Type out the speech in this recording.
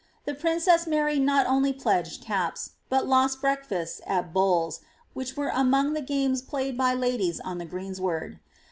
The princei^ Mary not only pledged caps, but lost breakfasts at bowls, which were among the games played by ladies on the greensward.